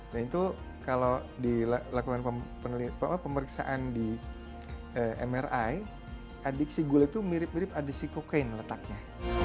nah itu kalau dilakukan pemeriksaan di mri adik si gula itu mirip mirip adik si kokain letaknya